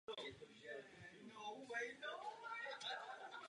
Geografickým protějškem Východní fronty byla Západní fronta.